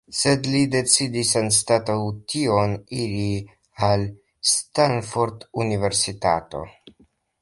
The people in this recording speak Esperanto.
Sed li decidis anstataŭ tion iri al Stanford Universitato.